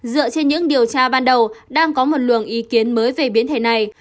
dựa trên những điều tra ban đầu đang có một luồng ý kiến mới về biến thể này